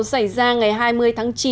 xảy ra ngày hai mươi tháng chín